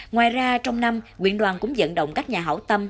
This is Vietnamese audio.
ngoài ra trong năm nguyện đoàn cũng dẫn động các nhà hảo tâm